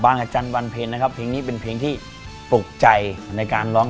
อาจารย์วันเพลงนะครับเพลงนี้เป็นเพลงที่ปลุกใจในการร้อง